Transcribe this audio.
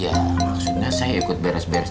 ya maksudnya saya ikut beres beres